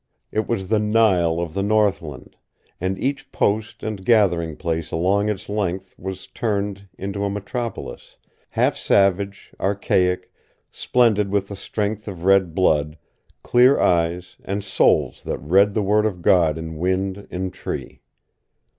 It was the Nile of the northland, and each post and gathering place along its length was turned into a metropolis, half savage, archaic, splendid with the strength of red blood, clear eyes, and souls that read the word of God in wind and tree.